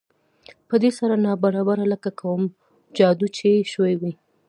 په دې سره ناببره لکه کوم جادو چې شوی وي